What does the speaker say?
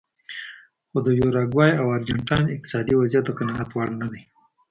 خو د یوروګوای او ارجنټاین اقتصادي وضعیت د قناعت وړ نه دی.